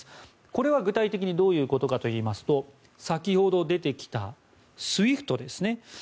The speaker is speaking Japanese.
これは具体的にどういうことかといいますと先ほど出てきたＳＷＩＦＴですね。